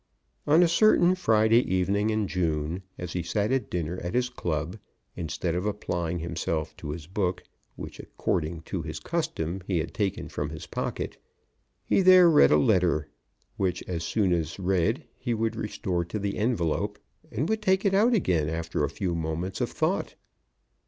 On a certain Friday evening in June, as he sat at dinner at his club, instead of applying himself to his book, which according to his custom he had taken from his pocket, he there read a letter, which as soon as read he would restore to the envelope, and would take it out again after a few moments of thought.